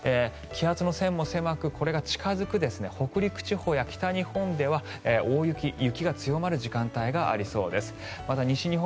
気圧の線も狭く、これが近付く北陸地方や北日本では大雪、雪が強まる時間帯がありそうです。